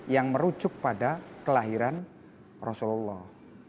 yang merujuk pada kelahiran rasulullah